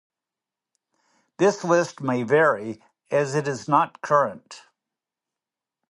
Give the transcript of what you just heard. This list may vary as it is not current.